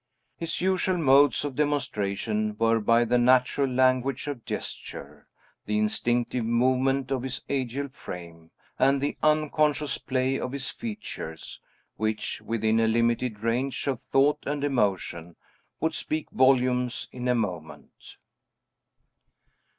His usual modes of demonstration were by the natural language of gesture, the instinctive movement of his agile frame, and the unconscious play of his features, which, within a limited range of thought and emotion, would speak volumes in a moment.